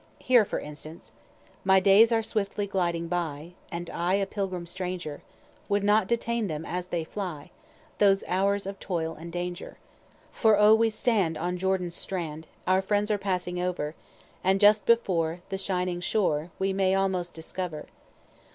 Here, for instance: My days are swiftly gliding by, and I a pilgrim stranger, Would not detain them as they fly, those hours of toil and danger; For O we stand on Jordan's strand, our friends are passing over, And just before, the shining shore we may almost discover.